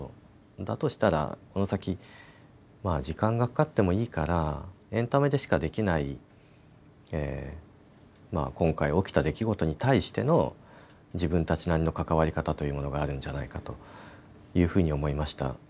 だとしたら、この先時間がかかってもいいからエンタメでしかできない今回起きた出来事に対しての自分たちなりの関わり方というものがあるんじゃないかというふうに思いました。